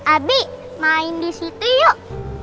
adik main di situ yuk